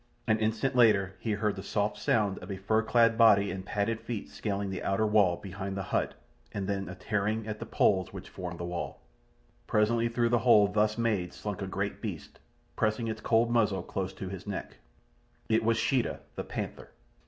An instant later he heard the soft sound of a fur clad body and padded feet scaling the outer wall behind the hut and then a tearing at the poles which formed the wall. Presently through the hole thus made slunk a great beast, pressing its cold muzzle close to his neck. It was Sheeta, the panther.